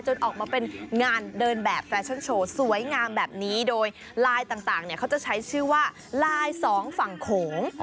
ออกมาเป็นงานเดินแบบแฟชั่นโชว์สวยงามแบบนี้โดยลายต่างเนี่ยเขาจะใช้ชื่อว่าลายสองฝั่งโขง